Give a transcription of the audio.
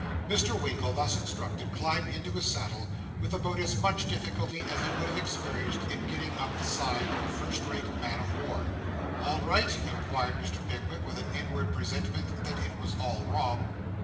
Mr. Winkle, thus instructed, climbed into his saddle, with about as much difficulty as he would have experienced in getting up the side of a first rate man of war. 'All right?' inquired Mr. Pickwick, with an inward presentiment that it was all wrong.